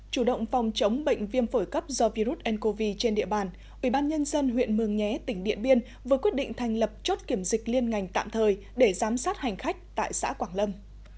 chủ động phòng chống bệnh viêm phổi cấp do virus ncov trên địa bàn ubnd huyện mường nhé tỉnh điện biên vừa quyết định thành lập chốt kiểm dịch liên ngành tạm thời để giám sát hành khách tại xã quảng lâm